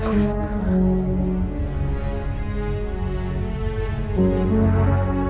ke tempat ke memang gimana